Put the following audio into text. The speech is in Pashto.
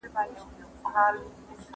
په آینه کې ځان ته وګورئ او موسکا وکړئ.